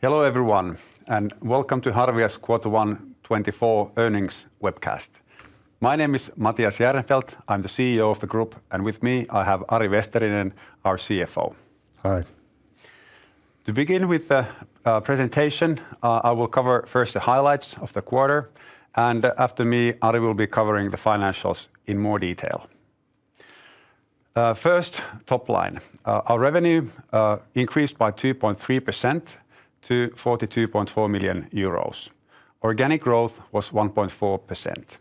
Hello everyone, and welcome to Harvia's Q1 2024 earnings webcast. My name is Matias Järnefelt. I'm the CEO of the group, and with me I have Ari Vesterinen, our CFO. Hi. To begin with the presentation, I will cover first the highlights of the quarter, and after me, Ari will be covering the financials in more detail. First, top line: our revenue increased by 2.3% to 42.4 million euros. Organic growth was 1.4%.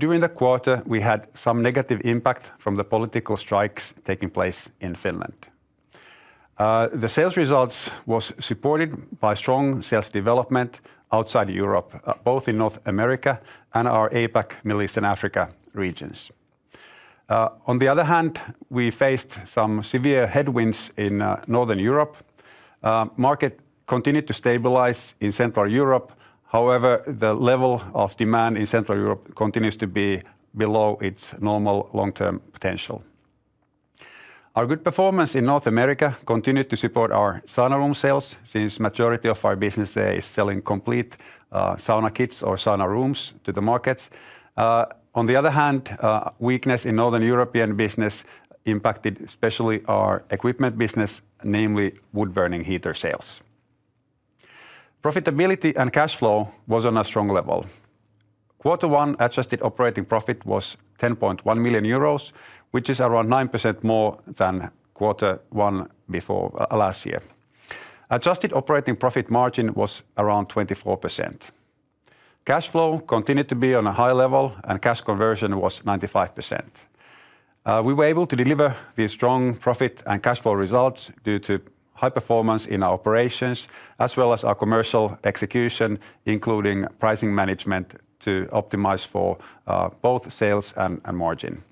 During the quarter, we had some negative impact from the political strikes taking place in Finland. The sales results were supported by strong sales development outside Europe, both in North America and our APAC Middle East and Africa regions. On the other hand, we faced some severe headwinds in Northern Europe. Market continued to stabilize in Central Europe. However, the level of demand in Central Europe continues to be below its normal long-term potential. Our good performance in North America continued to support our sauna room sales since the majority of our business there is selling complete sauna kits or sauna rooms to the markets. On the other hand, weakness in Northern European business impacted especially our equipment business, namely wood-burning heater sales. Profitability and cash flow were on a strong level. Q1 adjusted operating profit was 10.1 million euros, which is around 9% more than Q1 last year. Adjusted operating profit margin was around 24%. Cash flow continued to be on a high level, and cash conversion was 95%. We were able to deliver these strong profit and cash flow results due to high performance in our operations, as well as our commercial execution, including pricing management to optimize for both sales and margin.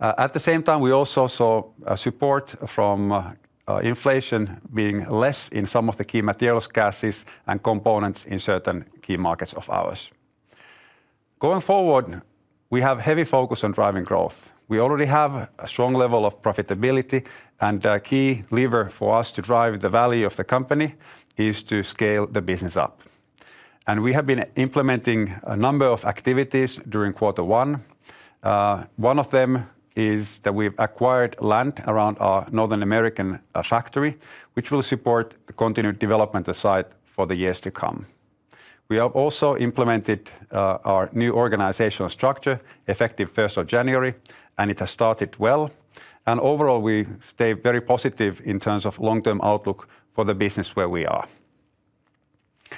At the same time, we also saw support from inflation being less in some of the key materials gases and components in certain key markets of ours. Going forward, we have a heavy focus on driving growth. We already have a strong level of profitability, and the key lever for us to drive the value of the company is to scale the business up. We have been implementing a number of activities during Q1. One of them is that we've acquired land around our North American factory, which will support the continued development of the site for the years to come. We have also implemented our new organizational structure effective 1st of January, and it has started well. Overall, we stay very positive in terms of long-term outlook for the business where we are. A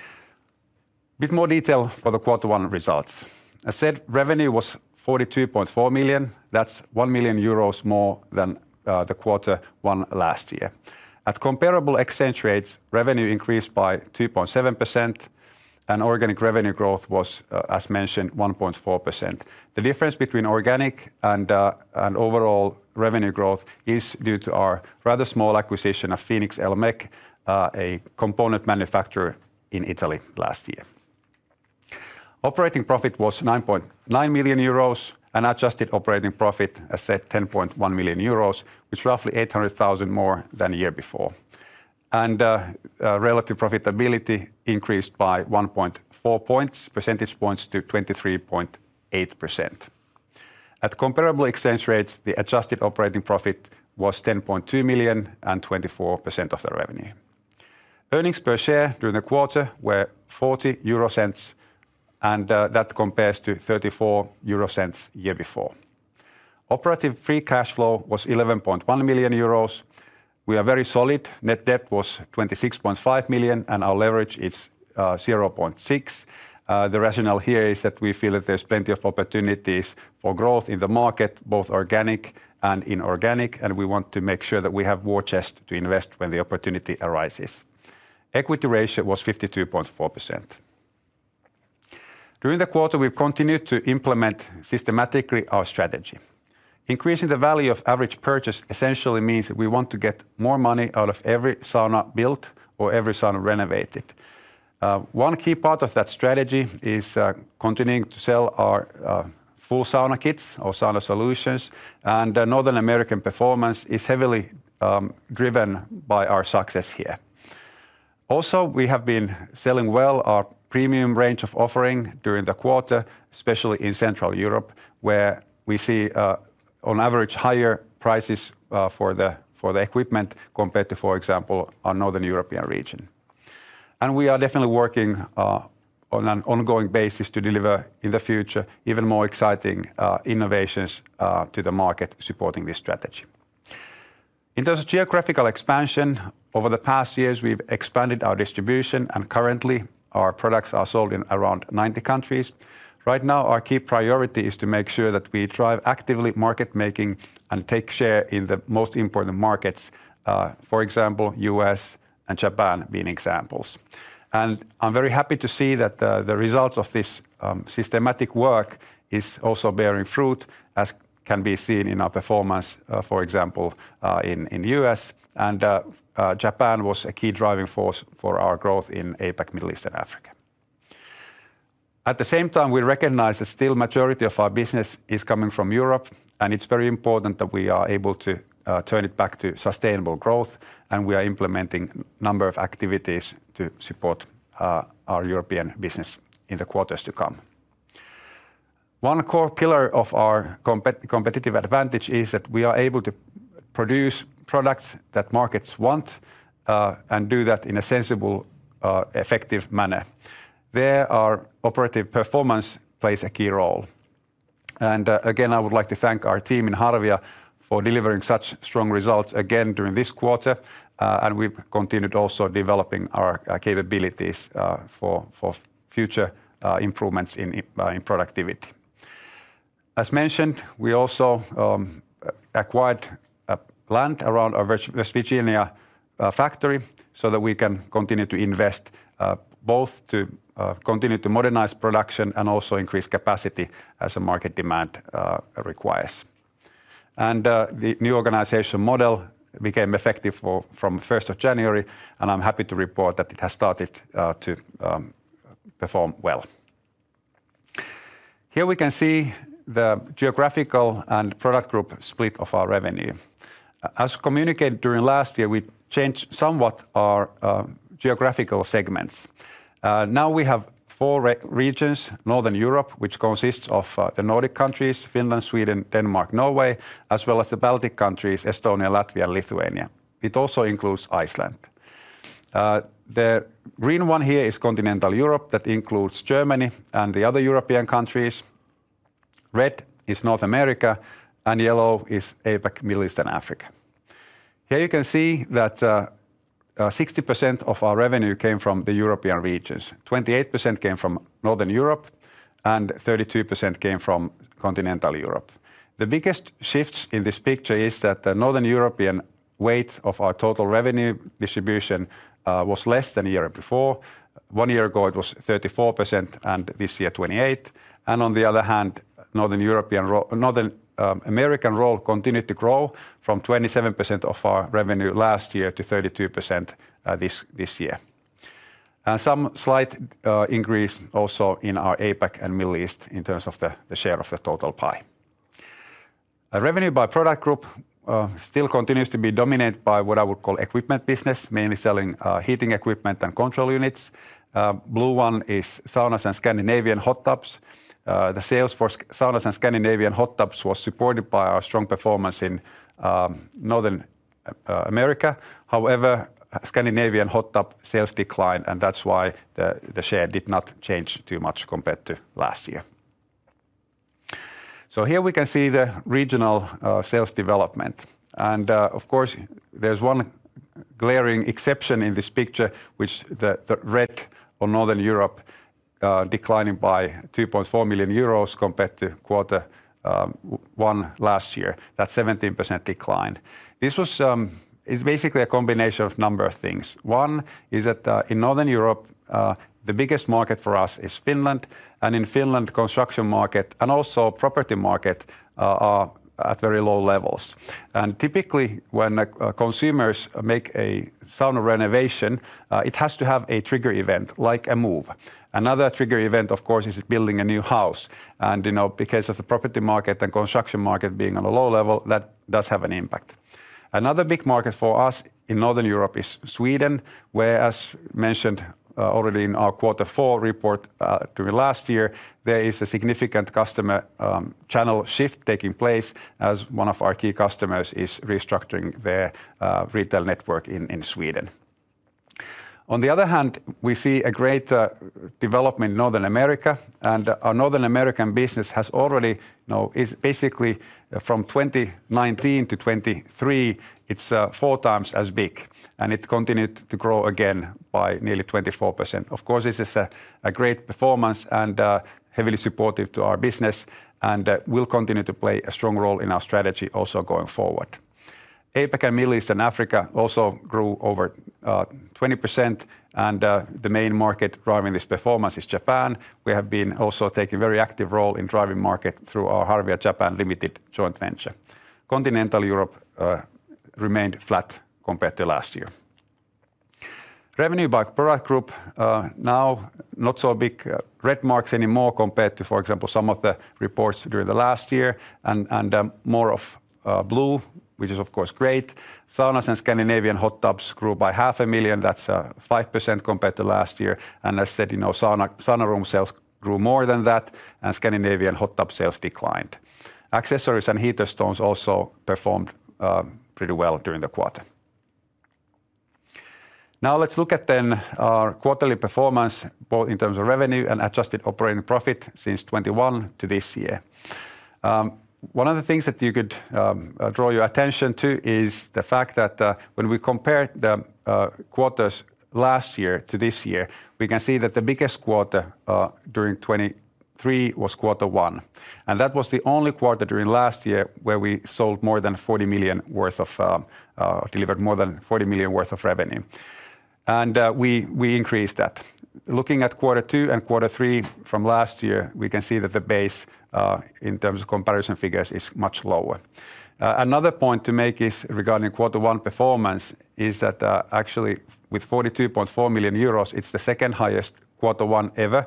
bit more detail for the Q1 results. As said, revenue was 42.4 million. That's 1 million euros more than the Q1 last year. At comparable exchange rates, revenue increased by 2.7%, and organic revenue growth was, as mentioned, 1.4%. The difference between organic and overall revenue growth is due to our rather small acquisition of Phoenix El-Mec, a component manufacturer in Italy, last year. Operating profit was 9.9 million euros, and adjusted operating profit, as said, 10.1 million euros, which is roughly 800,000 more than the year before. Relative profitability increased by 1.4 percentage points to 23.8%. At comparable exchange rates, the adjusted operating profit was 10.2 million and 24% of the revenue. Earnings per share during the quarter were 0.40, and that compares to 0.34 the year before. Operative free cash flow was 11.1 million euros. We are very solid. Net debt was 26.5 million, and our leverage is 0.6. The rationale here is that we feel that there's plenty of opportunities for growth in the market, both organic and inorganic, and we want to make sure that we have more cash to invest when the opportunity arises. Equity ratio was 52.4%. During the quarter, we've continued to implement systematically our strategy. Increasing the value of average purchase essentially means we want to get more money out of every sauna built or every sauna renovated. One key part of that strategy is continuing to sell our full sauna kits or sauna solutions, and North American performance is heavily driven by our success here. Also, we have been selling well our premium range of offerings during the quarter, especially in Central Europe, where we see, on average, higher prices for the equipment compared to, for example, our Northern European region. We are definitely working on an ongoing basis to deliver, in the future, even more exciting innovations to the market supporting this strategy. In terms of geographical expansion, over the past years, we've expanded our distribution, and currently, our products are sold in around 90 countries. Right now, our key priority is to make sure that we drive actively market-making and take share in the most important markets, for example, the U.S. and Japan, being examples. And I'm very happy to see that the results of this systematic work are also bearing fruit, as can be seen in our performance, for example, in the U.S. And Japan was a key driving force for our growth in APAC, Middle East, and Africa. At the same time, we recognize that still the majority of our business is coming from Europe, and it's very important that we are able to turn it back to sustainable growth, and we are implementing a number of activities to support our European business in the quarters to come. One core pillar of our competitive advantage is that we are able to produce products that markets want and do that in a sensible, effective manner. There our operative performance plays a key role. Again, I would like to thank our team in Harvia for delivering such strong results again during this quarter, and we've continued also developing our capabilities for future improvements in productivity. As mentioned, we also acquired land around our West Virginia factory so that we can continue to invest both to continue to modernize production and also increase capacity as market demand requires. The new organization model became effective from 1st of January, and I'm happy to report that it has started to perform well. Here we can see the geographical and product group split of our revenue. As communicated during last year, we changed somewhat our geographical segments. Now we have four regions, Northern Europe, which consists of the Nordic countries, Finland, Sweden, Denmark, Norway, as well as the Baltic countries, Estonia, Latvia, and Lithuania. It also includes Iceland. The green one here is Continental Europe. That includes Germany and the other European countries. Red is North America, and yellow is APAC, Middle East, and Africa. Here you can see that 60% of our revenue came from the European regions, 28% came from Northern Europe, and 32% came from Continental Europe. The biggest shift in this picture is that the Northern European weight of our total revenue distribution was less than the year before. One year ago, it was 34%, and this year, 28%. On the other hand, the North American role continued to grow from 27% of our revenue last year to 32% this year. Some slight increase also in our APAC and Middle East in terms of the share of the total pie. Revenue by product group still continues to be dominated by what I would call the equipment business, mainly selling heating equipment and control units. The blue one is saunas and Scandinavian hot tubs. The sales for saunas and Scandinavian hot tubs were supported by our strong performance in North America. However, Scandinavian hot tub sales declined, and that's why the share did not change too much compared to last year. So here we can see the regional sales development. Of course, there's one glaring exception in this picture, which is the red on Northern Europe declining by 2.4 million euros compared to Q1 last year. That's a 17% decline. This is basically a combination of a number of things. One is that in Northern Europe, the biggest market for us is Finland, and in Finland, the construction market and also the property market are at very low levels. Typically, when consumers make a sauna renovation, it has to have a trigger event like a move. Another trigger event, of course, is building a new house. And because of the property market and construction market being on a low level, that does have an impact. Another big market for us in Northern Europe is Sweden, where, as mentioned already in our Q4 report during last year, there is a significant customer channel shift taking place as one of our key customers is restructuring their retail network in Sweden. On the other hand, we see a greater development in North America, and our North American business has already basically from 2019 to 2023, it's 4 times as big, and it continued to grow again by nearly 24%. Of course, this is a great performance and heavily supportive to our business and will continue to play a strong role in our strategy also going forward. APAC and Middle East and Africa also grew over 20%, and the main market driving this performance is Japan. We have been also taking a very active role in driving the market through our Harvia Japan Limited joint venture. Continental Europe remained flat compared to last year. Revenue by product group is now not so big red marks anymore compared to, for example, some of the reports during the last year and more of blue, which is, of course, great. Saunas and Scandinavian hot tubs grew by 500,000. That's 5% compared to last year. And as said, sauna room sales grew more than that, and Scandinavian hot tub sales declined. Accessories and heater stones also performed pretty well during the quarter. Now let's look at then our quarterly performance both in terms of revenue and adjusted operating profit since 2021 to this year. One of the things that you could draw your attention to is the fact that when we compared the quarters last year to this year, we can see that the biggest quarter during 2023 was Q1. That was the only quarter during last year where we sold more than 40 million worth of delivered more than 40 million worth of revenue. We increased that. Looking at Q2 and Q3 from last year, we can see that the base in terms of comparison figures is much lower. Another point to make regarding Q1 performance is that actually with 42.4 million euros, it's the second highest Q1 ever,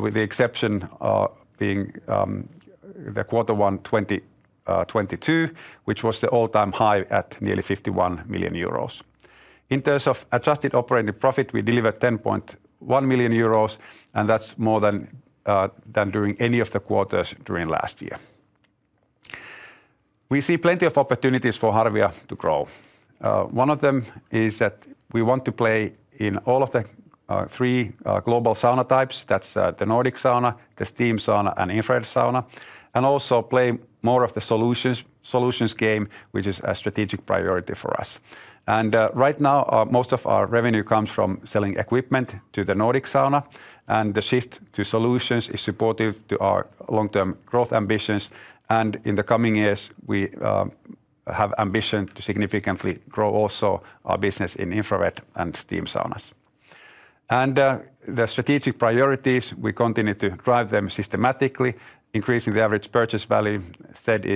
with the exception being the Q1 2022, which was the all-time high at nearly 51 million euros. In terms of adjusted operating profit, we delivered 10.1 million euros, and that's more than during any of the quarters during last year. We see plenty of opportunities for Harvia to grow. One of them is that we want to play in all of the three global sauna types. That's the Nordic sauna, the steam sauna, and infrared sauna, and also play more of the solutions game, which is a strategic priority for us. Right now, most of our revenue comes from selling equipment to the Nordic sauna, and the shift to solutions is supportive to our long-term growth ambitions. In the coming years, we have the ambition to significantly grow also our business in infrared and steam saunas. The strategic priorities, we continue to drive them systematically, increasing the average purchase value. As said,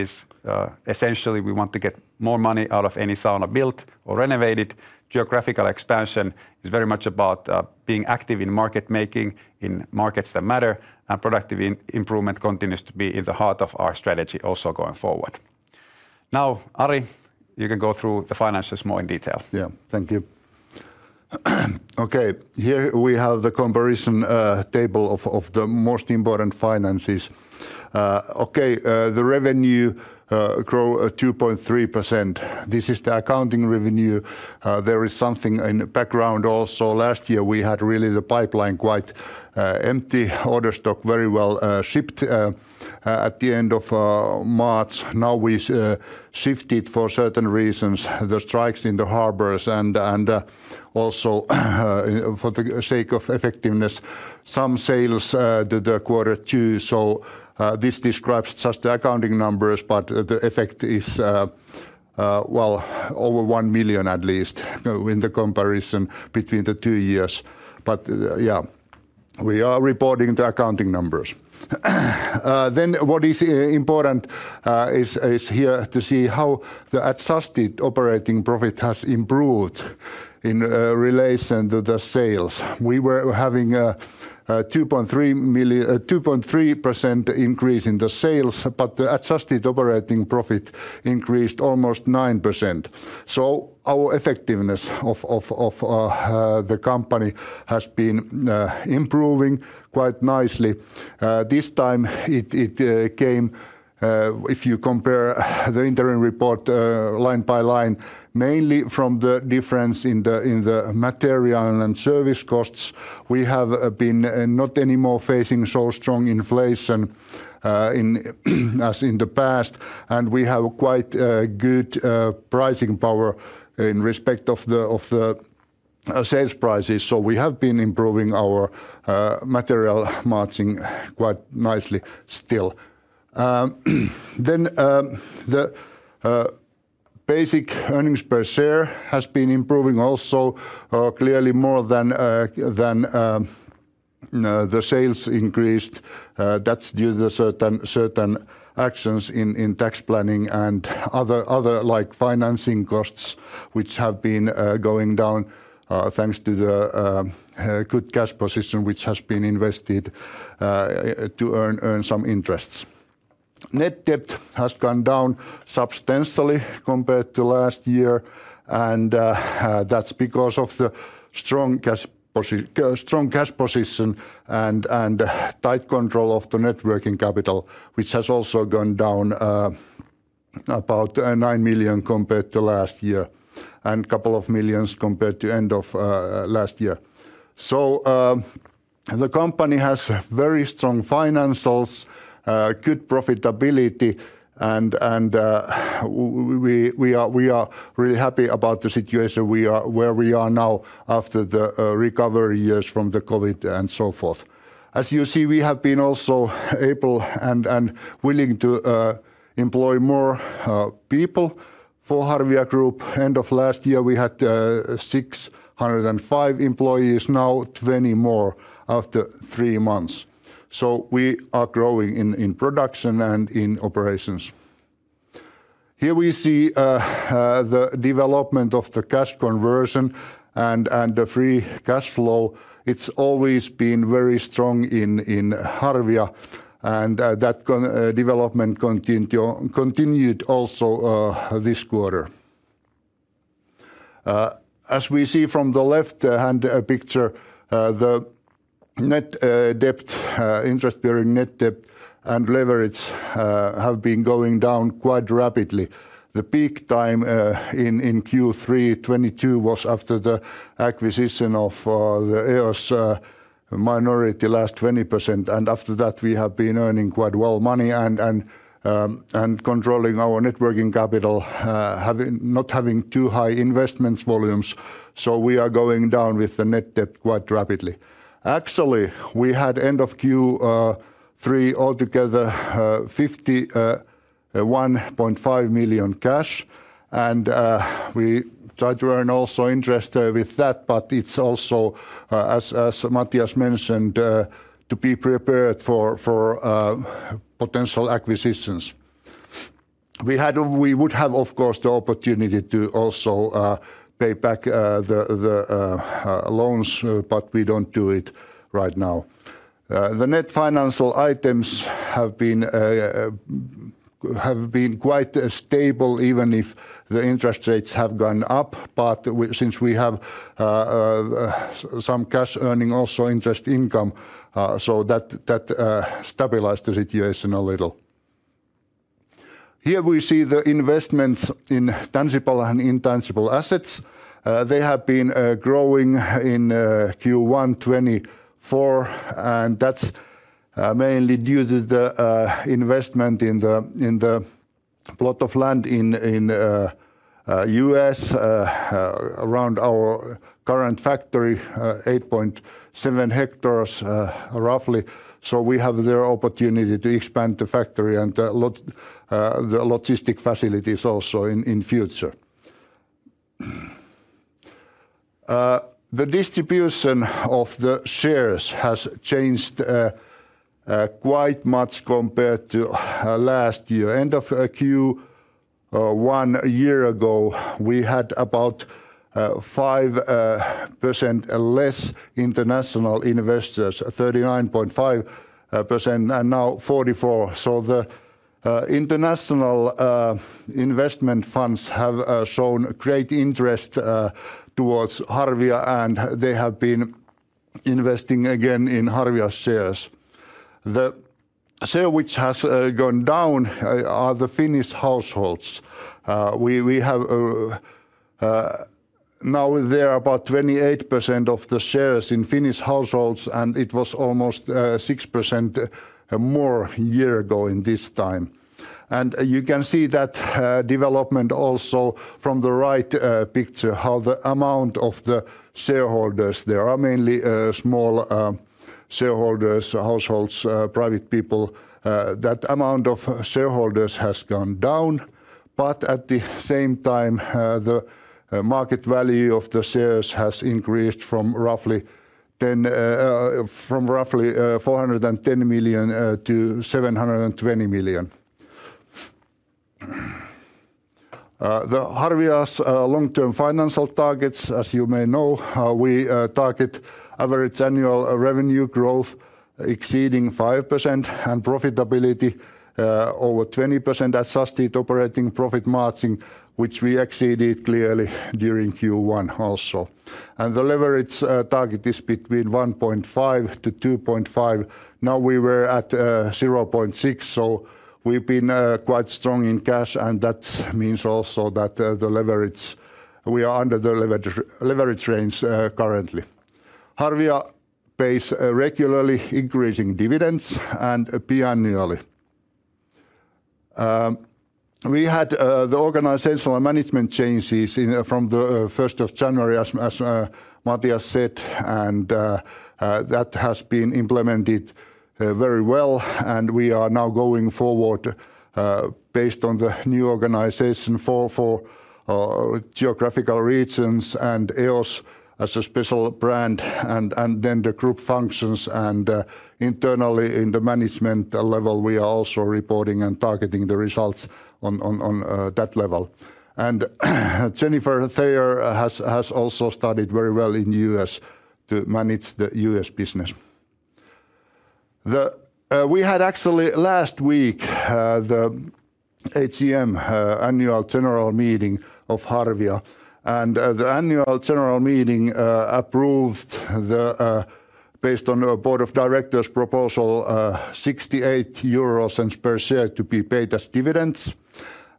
essentially, we want to get more money out of any sauna built or renovated. Geographical expansion is very much about being active in market-making in markets that matter, and productive improvement continues to be in the heart of our strategy also going forward. Now, Ari, you can go through the finances more in detail. Yeah, thank you. Okay, here we have the comparison table of the most important finances. Okay, the revenue grew 2.3%. This is the accounting revenue. There is something in the background also. Last year, we had really the pipeline quite empty. Order stock was very well shipped at the end of March. Now we shifted for certain reasons. The strikes in the harbors and also for the sake of effectiveness, some sales did the Q2. So this describes just the accounting numbers, but the effect is, well, over 1 million at least in the comparison between the two years. But yeah, we are reporting the accounting numbers. Then what is important is here to see how the adjusted operating profit has improved in relation to the sales. We were having a 2.3% increase in the sales, but the adjusted operating profit increased almost 9%. So our effectiveness of the company has been improving quite nicely. This time, it came, if you compare the interim report line by line, mainly from the difference in the material and service costs. We have been not anymore facing so strong inflation as in the past, and we have quite good pricing power in respect of the sales prices. So we have been improving our material margins quite nicely still. Then the basic earnings per share has been improving also clearly more than the sales increased. That's due to certain actions in tax planning and other financing costs, which have been going down thanks to the good cash position, which has been invested to earn some interests. Net debt has gone down substantially compared to last year, and that's because of the strong cash position and tight control of the working capital, which has also gone down about 9 million compared to last year and a couple of million EUR compared to the end of last year. So, the company has very strong financials, good profitability, and we are really happy about the situation where we are now after the recovery years from the COVID and so forth. As you see, we have been also able and willing to employ more people for Harvia Group. End of last year, we had 605 employees, now 20 more after three months. So we are growing in production and in operations. Here we see the development of the cash conversion and the free cash flow. It's always been very strong in Harvia, and that development continued also this quarter. As we see from the left-hand picture, the interest-bearing net debt and leverage have been going down quite rapidly. The peak time in Q3 2022 was after the acquisition of the EOS minority, last 20%. And after that, we have been earning quite well money and controlling our working capital, not having too high investment volumes. So we are going down with the net debt quite rapidly. Actually, we had end of Q3 altogether 51.5 million cash, and we tried to earn also interest with that. But it's also, as Matias mentioned, to be prepared for potential acquisitions. We would have, of course, the opportunity to also pay back the loans, but we don't do it right now. The net financial items have been quite stable, even if the interest rates have gone up. But since we have some cash earnings, also interest income, so that stabilized the situation a little. Here we see the investments in tangible and intangible assets. They have been growing in Q1 2024, and that's mainly due to the investment in the plot of land in the U.S. around our current factory, 8.7 hectares roughly. So we have the opportunity to expand the factory and the logistic facilities also in the future. The distribution of the shares has changed quite much compared to last year. End of Q1 a year ago, we had about 5% less international investors, 39.5%, and now 44%. So the international investment funds have shown great interest towards Harvia, and they have been investing again in Harvia's shares. The share which has gone down are the Finnish households. We have now there about 28% of the shares in Finnish households, and it was almost 6% more a year ago in this time. You can see that development also from the right picture, how the amount of the shareholders, there are mainly small shareholders, households, private people, that amount of shareholders has gone down. But at the same time, the market value of the shares has increased from roughly 410 million to 720 million. Harvia's long-term financial targets, as you may know, we target average annual revenue growth exceeding 5% and profitability over 20%, adjusted operating profit margin, which we exceeded clearly during Q1 also. The leverage target is between 1.5-2.5. Now we were at 0.6, so we've been quite strong in cash, and that means also that we are under the leverage range currently. Harvia pays regularly increasing dividends and biennially. We had the organizational management changes from the 1st of January, as Matias said, and that has been implemented very well. And we are now going forward, based on the new organization for geographical regions and EOS as a special brand, and then the group functions. And internally in the management level, we are also reporting and targeting the results on that level. And Jennifer Thayer has also studied very well in the U.S. to manage the U.S. business. We had actually last week the AGM annual general meeting of Harvia. And the annual general meeting approved, based on the board of directors' proposal, 0.68 euros per share to be paid as dividends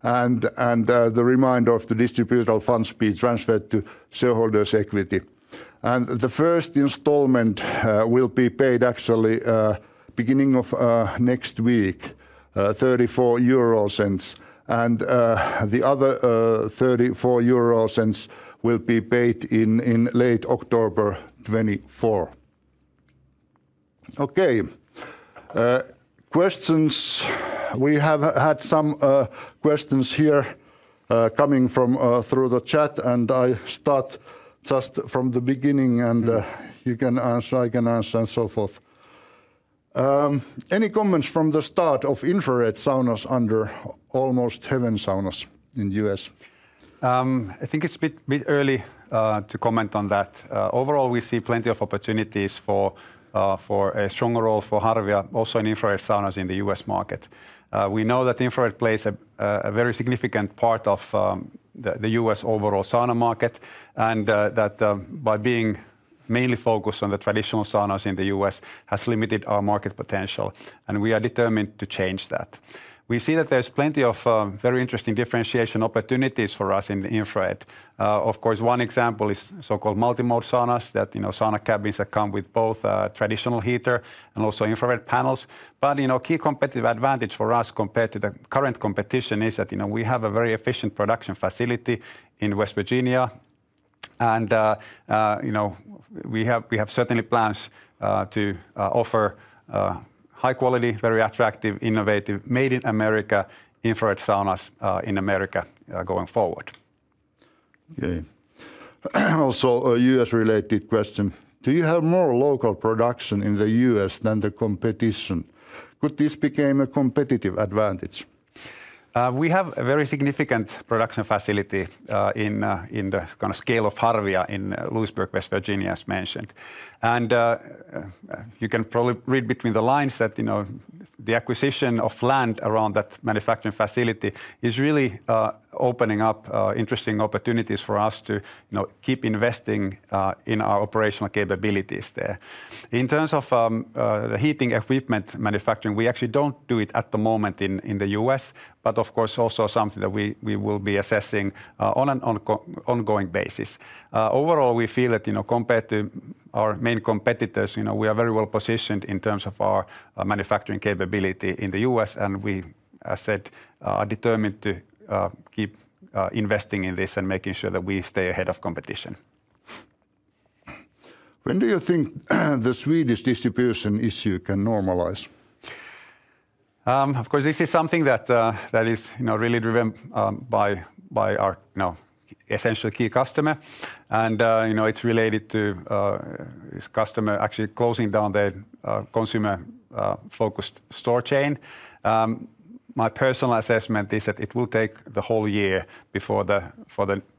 and the remainder of the distributable funds being transferred to shareholders' equity. And the first installment will be paid actually beginning of next week, 0.34. And the other 0.34 will be paid in late October 2024. Okay, questions. We have had some questions here coming through the chat, and I start just from the beginning, and you can answer, I can answer, and so forth. Any comments from the start of infrared saunas under Almost Heaven Saunas in the U.S.? I think it's a bit early to comment on that. Overall, we see plenty of opportunities for a stronger role for Harvia also in infrared saunas in the U.S. market. We know that infrared plays a very significant part of the U.S. overall sauna market and that by being mainly focused on the traditional saunas in the U.S. has limited our market potential, and we are determined to change that. We see that there's plenty of very interesting differentiation opportunities for us in the infrared. Of course, one example is so-called multimode saunas, that sauna cabins that come with both traditional heater and also infrared panels. But a key competitive advantage for us compared to the current competition is that we have a very efficient production facility in West Virginia. We have certainly plans to offer high-quality, very attractive, innovative, Made in America infrared saunas in America going forward. Okay. Also, a U.S.-related question. Do you have more local production in the U.S. than the competition? Could this become a competitive advantage? We have a very significant production facility in the kind of scale of Harvia in Lewisburg, West Virginia, as mentioned. You can probably read between the lines that the acquisition of land around that manufacturing facility is really opening up interesting opportunities for us to keep investing in our operational capabilities there. In terms of the heating equipment manufacturing, we actually don't do it at the moment in the U.S., but of course also something that we will be assessing on an ongoing basis. Overall, we feel that compared to our main competitors, we are very well positioned in terms of our manufacturing capability in the U.S., and we, as said, are determined to keep investing in this and making sure that we stay ahead of competition. When do you think the Swedish distribution issue can normalize? Of course, this is something that is really driven by our essential key customer. It's related to this customer actually closing down their consumer-focused store chain. My personal assessment is that it will take the whole year before the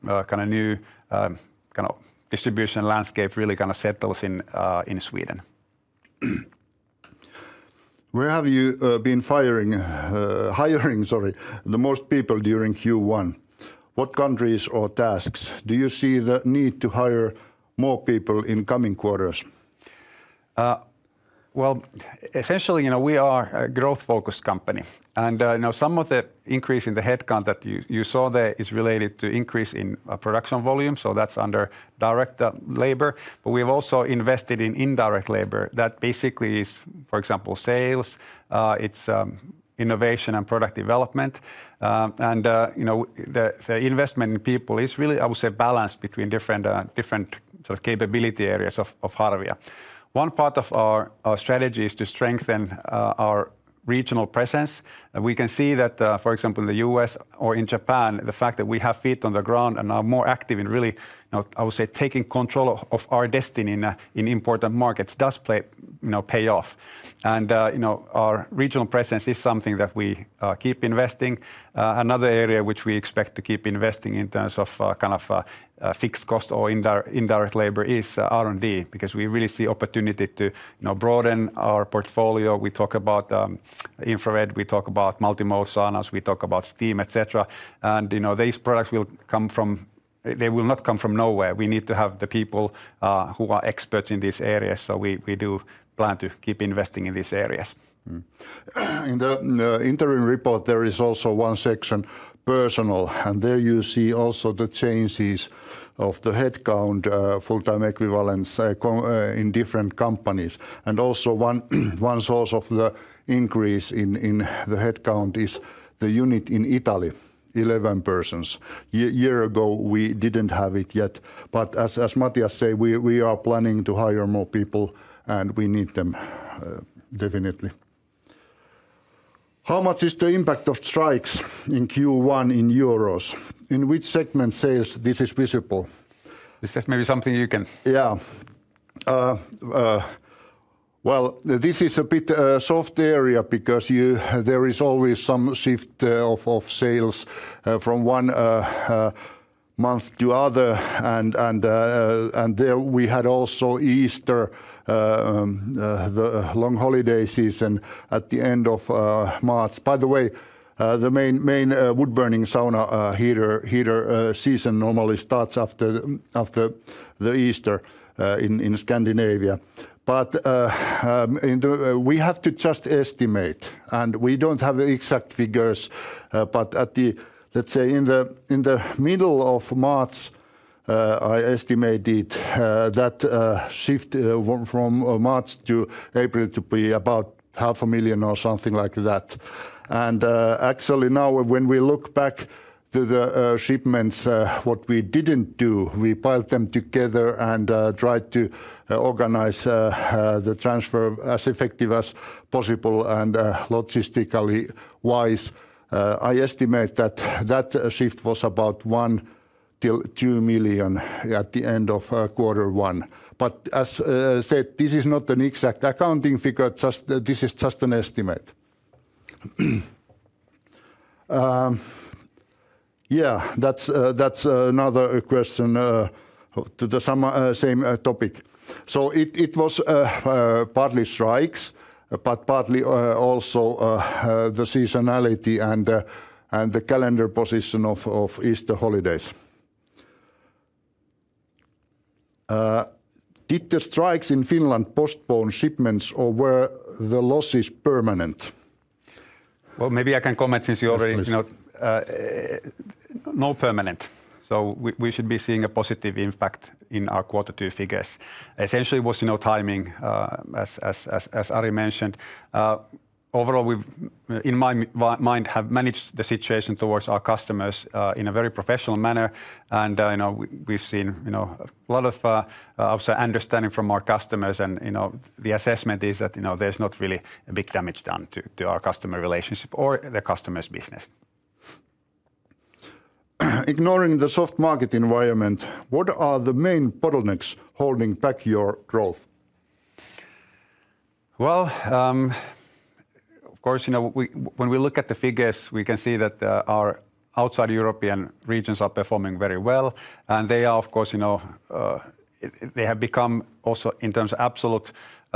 kind of new kind of distribution landscape really kind of settles in Sweden. Where have you been hiring the most people during Q1? What countries or tasks? Do you see the need to hire more people in coming quarters? Well, essentially, we are a growth-focused company. Some of the increase in the headcount that you saw there is related to an increase in production volume. That's under direct labor. We have also invested in indirect labor. That basically is, for example, sales. It's innovation and product development. You know the investment in people is really, I would say, balanced between different sort of capability areas of Harvia. One part of our strategy is to strengthen our regional presence. We can see that, for example, in the U.S. or in Japan, the fact that we have feet on the ground and are more active in really, I would say, taking control of our destiny in important markets does pay off. You know our regional presence is something that we keep investing. Another area which we expect to keep investing in terms of kind of fixed cost or indirect labor is R&D because we really see opportunity to broaden our portfolio. We talk about infrared. We talk about multimode saunas. We talk about steam, et cetera. And these products will come from - they will not come from nowhere. We need to have the people who are experts in these areas. So we do plan to keep investing in these areas. In the interim report, there is also one section, personnel, and there you see also the changes of the headcount, full-time equivalents, in different companies. And also one source of the increase in the headcount is the unit in Italy, 11 persons. A year ago, we didn't have it yet. But as Matias said, we are planning to hire more people, and we need them definitely. How much is the impact of strikes in Q1 in euros? In which segment sales—this is visible? Is that maybe something you can— Yeah. Well, this is a bit a soft area because there is always some shift of sales from one month to the other. And there we had also Easter, the long holiday season at the end of March. By the way, the main wood-burning sauna heater season normally starts after the Easter in Scandinavia. But we have to just estimate, and we don't have exact figures. But at the, let's say, in the middle of March, I estimated that shift from March to April to be about 500,000 or something like that. Actually now, when we look back to the shipments, what we didn't do, we piled them together and tried to organize the transfer as effective as possible and logistically wise. I estimate that that shift was about 1-2 million at the end of quarter one. But as said, this is not an exact accounting figure. This is just an estimate. Yeah, that's another question to the same topic. So it was partly strikes, but partly also the seasonality and the calendar position of Easter holidays. Did the strikes in Finland postpone shipments, or were the losses permanent? Well, maybe I can comment since you already—no permanent. So we should be seeing a positive impact in our quarter two figures. Essentially, it was timing, as Ari mentioned. Overall, we've, in my mind, managed the situation towards our customers in a very professional manner. We've seen a lot of, I would say, understanding from our customers. The assessment is that there's not really a big damage done to our customer relationship or the customer's business. Ignoring the soft market environment, what are the main bottlenecks holding back your growth? Well, of course, when we look at the figures, we can see that our outside European regions are performing very well. And they are, of course, they have become also, in terms of absolute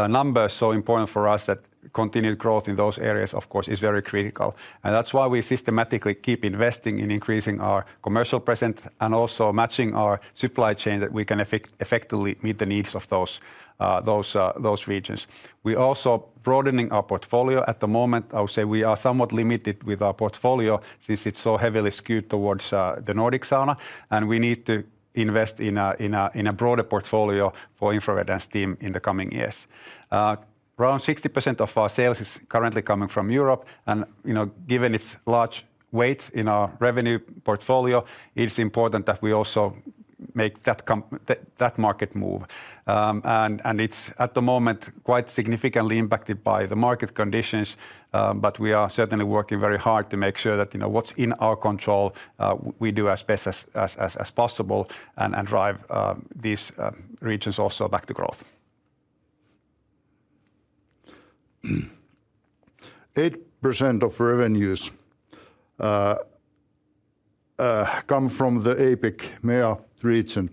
numbers, so important for us that continued growth in those areas, of course, is very critical. And that's why we systematically keep investing in increasing our commercial presence and also matching our supply chain that we can effectively meet the needs of those regions. We are also broadening our portfolio. At the moment, I would say we are somewhat limited with our portfolio since it's so heavily skewed towards the Nordic sauna. We need to invest in a broader portfolio for infrared and steam in the coming years. Around 60% of our sales is currently coming from Europe. Given its large weight in our revenue portfolio, it's important that we also make that market move. It's at the moment quite significantly impacted by the market conditions. We are certainly working very hard to make sure that what's in our control, we do as best as possible and drive these regions also back to growth. 8% of revenues come from the APAC-MEA region.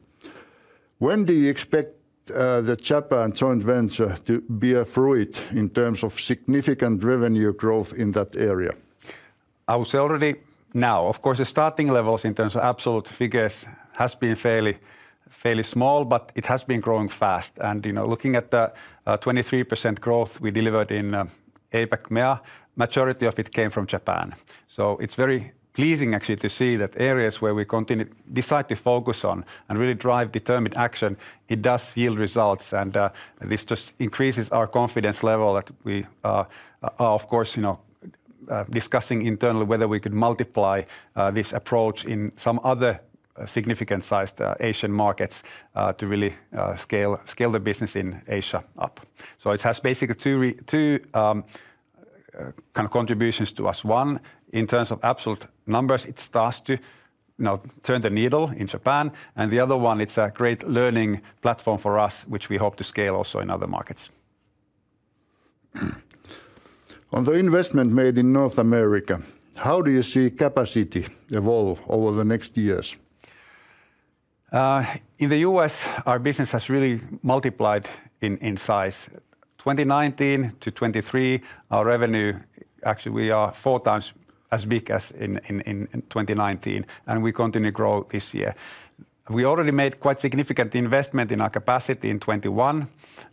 When do you expect the Japan joint venture to bear fruit in terms of significant revenue growth in that area? I would say already now. Of course, the starting levels in terms of absolute figures have been fairly small, but it has been growing fast. And looking at the 23% growth we delivered in APAC-MEA, the majority of it came from Japan. So it's very pleasing, actually, to see that areas where we decide to focus on and really drive determined action, it does yield results. And this just increases our confidence level that we are, of course, discussing internally whether we could multiply this approach in some other significant-sized Asian markets to really scale the business in Asia up. So it has basically two kind of contributions to us. One, in terms of absolute numbers, it starts to turn the needle in Japan. And the other one, it's a great learning platform for us, which we hope to scale also in other markets. On the investment made in North America, how do you see capacity evolve over the next years? In the U.S., our business has really multiplied in size. From 2019 to 2023, our revenue, actually, we are 4 times as big as in 2019, and we continue to grow this year. We already made quite significant investment in our capacity in 2021.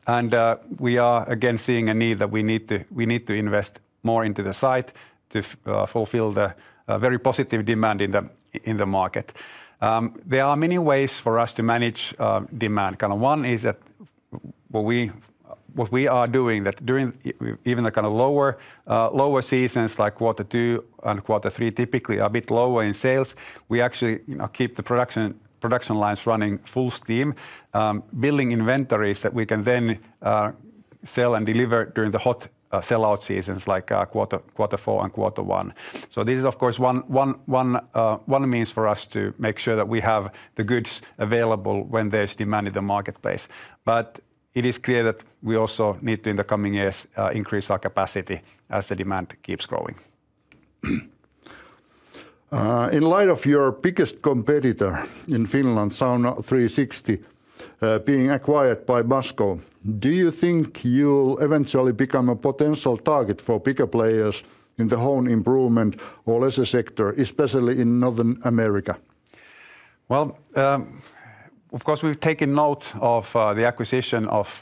And we are, again, seeing a need that we need to invest more into the site to fulfill the very positive demand in the market. There are many ways for us to manage demand. Kind of one is that what we are doing, that during even the kind of lower seasons, like quarter two and quarter three, typically are a bit lower in sales, we actually keep the production lines running full steam, building inventories that we can then sell and deliver during the hot sellout seasons, like quarter four and quarter one. So this is, of course, one one one means for us to make sure that we have the goods available when there's demand in the marketplace. But it is clear that we also need to, in the coming years, increase our capacity as the demand keeps growing. In light of your biggest competitor in Finland, Sauna360, being acquired by Masco, do you think you'll eventually become a potential target for bigger players in the home improvement or leisure sector, especially in North America? Well, of course, we've taken note of the acquisition of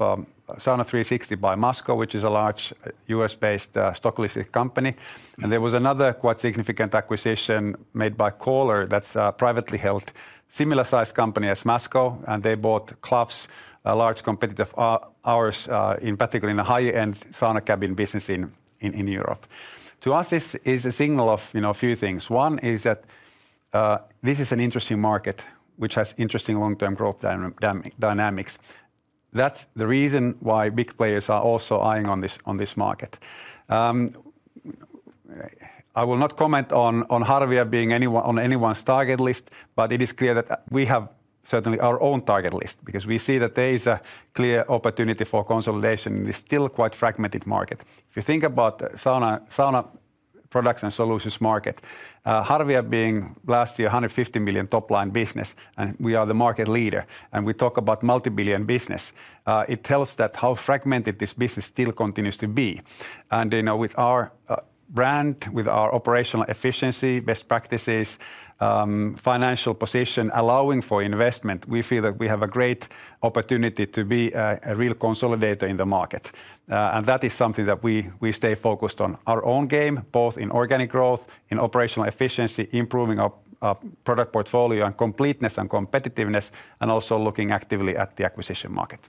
Sauna360 by Masco, which is a large U.S.-based stock-listed company. There was another quite significant acquisition made by Kohler that's a privately held, similar-sized company as Masco. They bought KLAFS, a large competitor of ours, particularly in the high-end sauna cabin business in Europe. To us, this is a signal of a few things. One is that this is an interesting market, which has interesting long-term growth dynamics. That's the reason why big players are also eyeing on this market. I will not comment on Harvia being on anyone's target list, but it is clear that we have certainly our own target list because we see that there is a clear opportunity for consolidation in this still quite fragmented market. If you think about the sauna products and solutions market, Harvia being last year 150 million top-line business, and we are the market leader, and we talk about EUR multi-billion business, it tells that how fragmented this business still continues to be. With our brand, with our operational efficiency, best practices, financial position allowing for investment, we feel that we have a great opportunity to be a real consolidator in the market. That is something that we stay focused on our own game, both in organic growth, in operational efficiency, improving our product portfolio and completeness and competitiveness, and also looking actively at the acquisition market.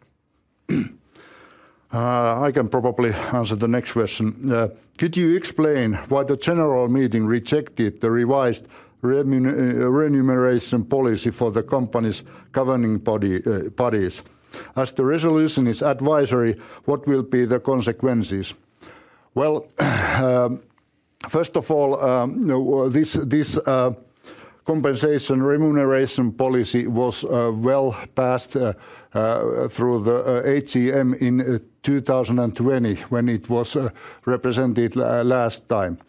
I can probably answer the next question. Could you explain why the general meeting rejected the revised remuneration policy for the company's governing bodies? As the resolution is advisory, what will be the consequences? Well, first of all, this compensation remuneration policy was well passed through the AGM in 2020 when it was represented last time.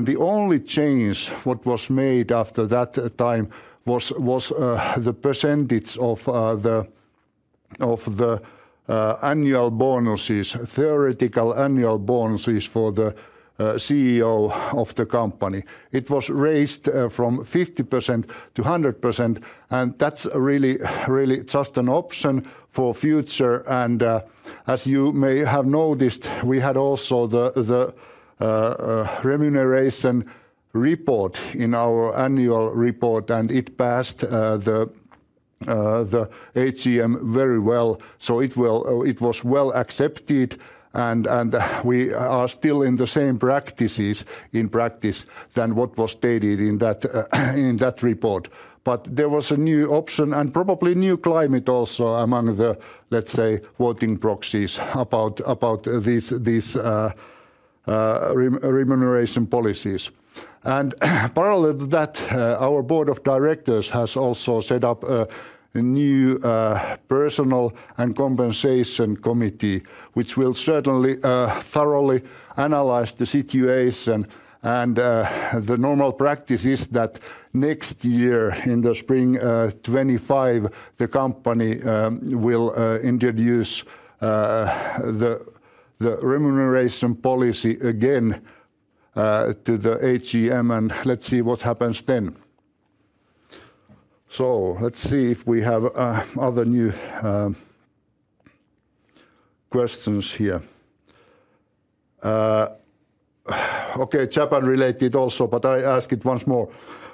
The only change what was made after that time was the percentage of the annual bonuses, theoretical annual bonuses for the CEO of the company. It was raised from 50%-100%. That's really just an option for future. As you may have noticed, we had also the remuneration report in our annual report, and it passed the AGM very well. It was well accepted. We are still in the same practices in practice than what was stated in that report. There was a new option and probably a new climate also among the, let's say, voting proxies about these remuneration policies. And parallel to that, our board of directors has also set up a new personnel and compensation committee, which will certainly thoroughly analyze the situation and the normal practices that next year in the spring 2025, the company will introduce the remuneration policy again to the AGM. And let's see what happens then. So let's see if we have other new questions here. Okay, Japan-related also, but I ask it once more.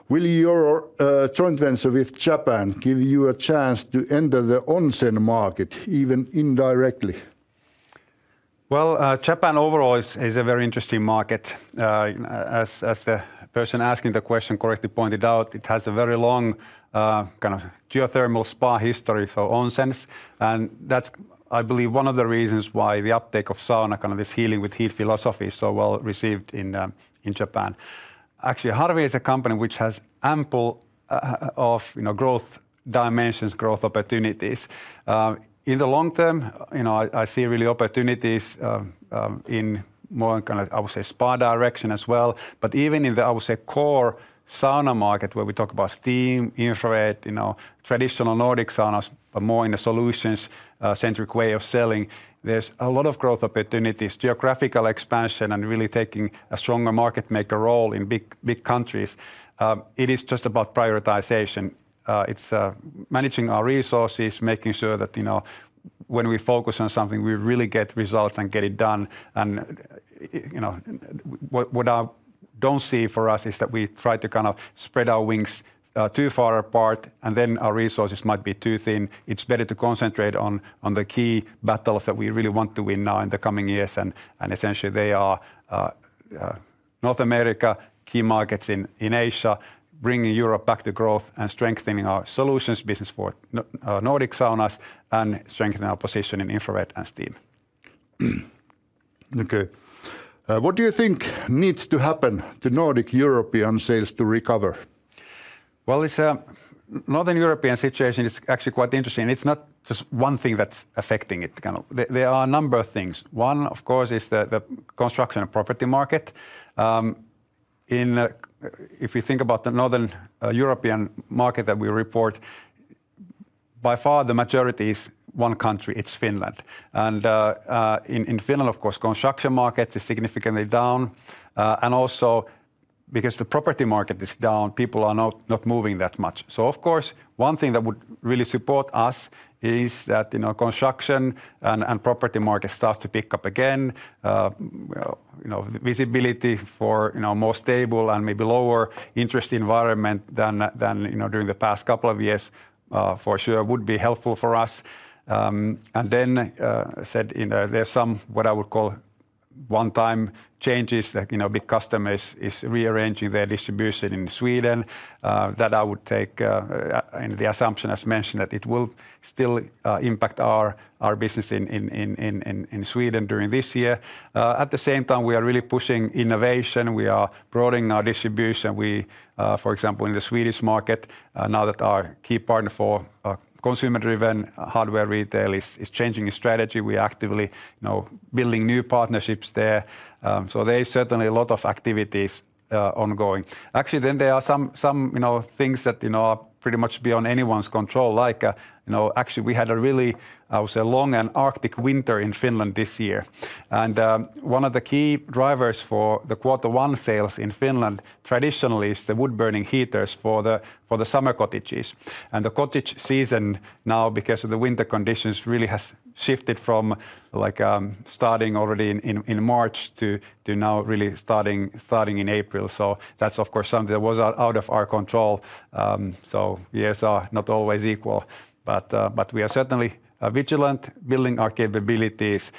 Will your joint venture with Japan give you a chance to enter the onsen market even indirectly? Well, Japan overall is a very interesting market. As the person asking the question correctly pointed out, it has a very long kind of geothermal spa history, so onsens. And that's, I believe, one of the reasons why the uptake of sauna, kind of this healing with heat philosophy, is so well received in Japan. Actually, Harvia is a company which has ample growth dimensions, growth opportunities. In the long term, you know, I see really opportunities in more, kind of, I would say, spa direction as well. But even in the, I would say, core sauna market, where we talk about steam, infrared, traditional Nordic saunas, but more in the solutions-centric way of selling, there's a lot of growth opportunities, geographical expansion, and really taking a stronger market-maker role in big countries. It is just about prioritization. It's managing our resources, making sure that, you know, when we focus on something, we really get results and get it done. And you know what I don't see for us is that we try to kind of spread our wings too far apart, and then our resources might be too thin. It's better to concentrate on the key battles that we really want to win now in the coming years. And essentially, they are North America key markets in Asia, bringing Europe back to growth and strengthening our solutions business for Nordic saunas and strengthening our position in infrared and steam. Okay. What do you think needs to happen to Nordic-European sales to recover? Well, the Northern European situation is actually quite interesting. It's not just one thing that's affecting it. There are a number of things. One, of course, is the construction and property market. If you think about the Northern European market that we report, by far the majority is one country. It's Finland. And in Finland, of course, construction markets are significantly down. And also, because the property market is down, people are not moving that much. So, of course, one thing that would really support us is that construction and property markets start to pick up again. Visibility for a more stable and maybe lower interest environment than during the past couple of years for sure would be helpful for us. And then, as said, there are some what I would call one-time changes. A big customer is rearranging their distribution in Sweden. That I would take in the assumption, as mentioned, that it will still impact our business in Sweden during this year. At the same time, we are really pushing innovation. We are broadening our distribution. For example, in the Swedish market, now that our key partner for consumer-driven hardware retail is changing its strategy, we are actively building new partnerships there. So there is certainly a lot of activities ongoing. Actually, then there are some things that are pretty much beyond anyone's control. Like, actually, we had a really, I would say, long and Arctic winter in Finland this year. One of the key drivers for the quarter one sales in Finland traditionally is the wood-burning heaters for the summer cottages. The cottage season now, because of the winter conditions, really has shifted from like starting already in March to now really starting in April. So that's, of course, something that was out of our control. Years are not always equal. But we are certainly vigilant, building our capabilities.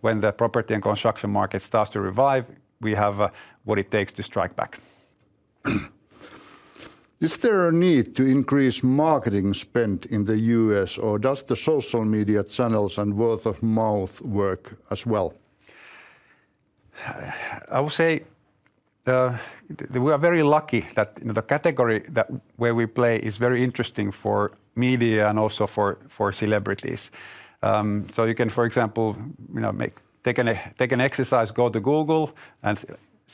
When the property and construction market starts to revive, we have what it takes to strike back. Is there a need to increase marketing spend in the U.S., or does the social media channels and word-of-mouth work as well? I would say we are very lucky that the category where we play is very interesting for media and also for celebrities. So you can, for example, take an exercise, go to Google and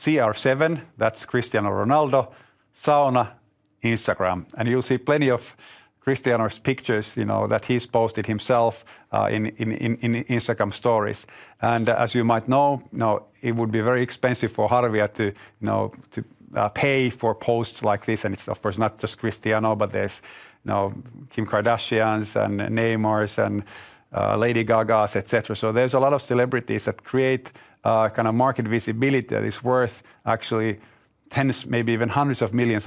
search. That's Cristiano Ronaldo, sauna, Instagram. And you'll see plenty of Cristiano's pictures that he's posted himself in Instagram stories. And as you might know, it would be very expensive for Harvia to pay for posts like this. And it's, of course, not just Cristiano, but there's Kim Kardashian's and Neymar's and Lady Gaga's, etc. So there's a lot of celebrities that create kind of market visibility that is worth actually $10 million-$100 million.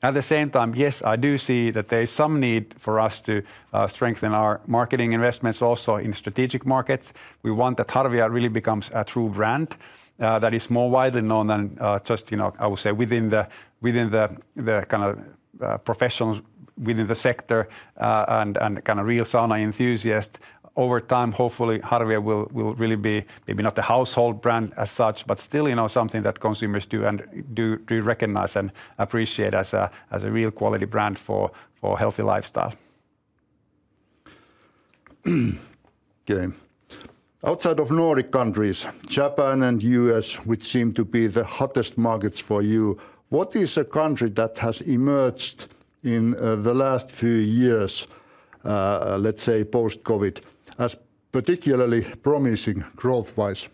At the same time, yes, I do see that there is some need for us to strengthen our marketing investments also in strategic markets. We want that Harvia really becomes a true brand that is more widely known than just, I would say, within the kind of professionals within the sector and kind of real sauna enthusiasts. Over time, hopefully, Harvia will really be maybe not the household brand as such, but still something that consumers do recognize and appreciate as a real quality brand for healthy lifestyle. Okay. Outside of Nordic countries, Japan and U.S., which seem to be the hottest markets for you, what is a country that has emerged in the last few years, let's say, post-COVID, as particularly promising growth-wise?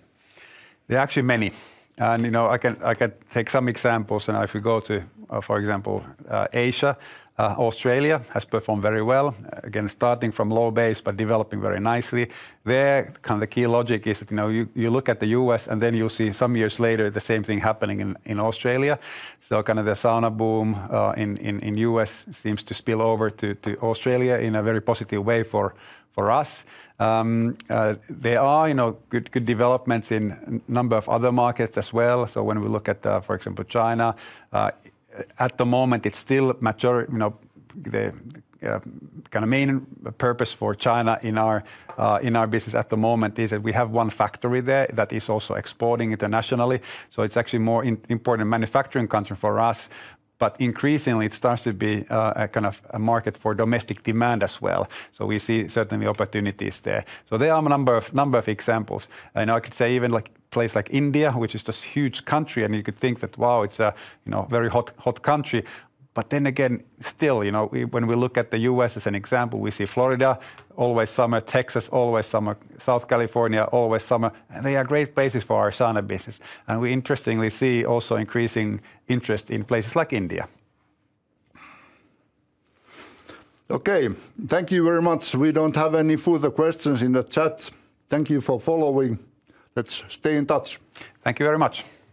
There are actually many. I can take some examples. If we go to, for example, Asia, Australia has performed very well, again, starting from low base but developing very nicely. There, kind of the key logic is that you look at the U.S., and then you'll see some years later the same thing happening in Australia. So kind of the sauna boom in the U.S. seems to spill over to Australia in a very positive way for us. There are good developments in a number of other markets as well. So when we look at, for example, China, at the moment, it's still the kind of main purpose for China in our business at the moment is that we have one factory there that is also exporting internationally. So it's actually a more important manufacturing country for us. But increasingly, it starts to be a kind of a market for domestic demand as well. So we see certainly opportunities there. So there are a number of examples. I could say even a place like India, which is just a huge country. And you could think that, wow, it's a very hot country. But then again, still, when we look at the U.S. as an example, we see Florida, always summer; Texas, always summer; Southern California, always summer. And they are great places for our sauna business. And we interestingly see also increasing interest in places like India. Okay. Thank you very much. We don't have any further questions in the chat. Thank you for following. Let's stay in touch. Thank you very much.